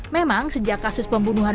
memang sejak kasus pembunuhan